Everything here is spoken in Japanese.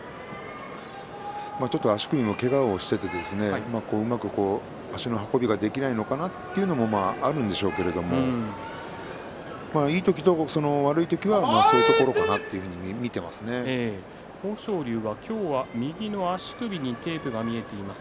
足首、けがをしていてうまく足の運びができないのかなというのもあるんでしょうけれどもいい時と悪い時はそういうところかなと豊昇龍は右の足首に今日はテープが見えています。